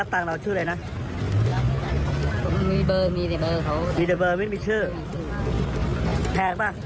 แบบหน่วยแม่ง